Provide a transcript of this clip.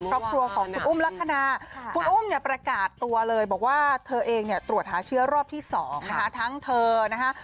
ครอบครัวของคุณอุ้มลักษณะคุณอุ้มเนี่ยประกาศตัวเลยบอกว่าเธอเองเนี่ยตรวจหาเชื้อรอบที่๒นะคะทั้งเธอนะคะ